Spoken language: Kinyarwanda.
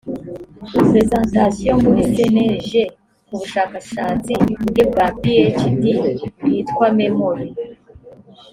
presentation muri cnlg ku bushakashatsi bwe bwa phd bwitwa memory